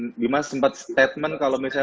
kang bima sempat statement kalau misalnya